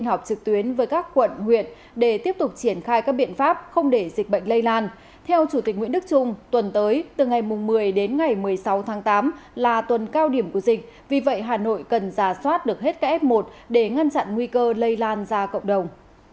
theo chủ tịch nguyễn đức trung tuần tới từ ngày một mươi đến ngày một mươi sáu tháng tám là tuần cao điểm của dịch vì vậy hà nội cần giả soát được hết các f một để ngăn chặn nguy cơ lây lan ra cộng đồng